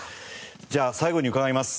じゃあ最後に伺います。